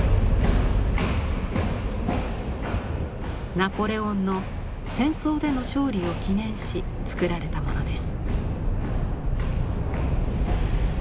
ナポレオンの戦争での勝利を記念しつくられたものです。